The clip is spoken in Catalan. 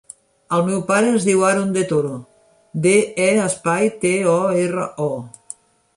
El meu pare es diu Aron De Toro: de, e, espai, te, o, erra, o.